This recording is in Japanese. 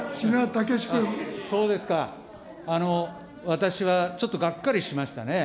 私はちょっとがっかりしましたね。